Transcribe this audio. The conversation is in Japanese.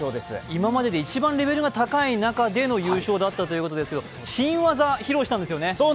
今までで一番レベルが高い中での優勝だったんですけど新技、披露したんですよね。